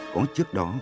có trước đó